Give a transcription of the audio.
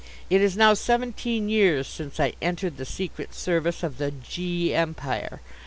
It is now seventeen years since I entered the Secret Service of the G. empire.